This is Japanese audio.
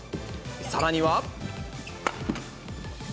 さらには。